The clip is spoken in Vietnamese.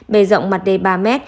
bề rộng mặt đê ba m